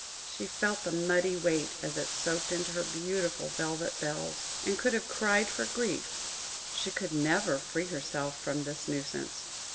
She felt the muddy weight as it soaked into her beautiful velvet bells, and could have cried for grief: she could never free herself from this nuisance.